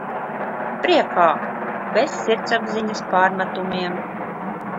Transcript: Priekā! Bez sirdsapziņas pārmetumiem.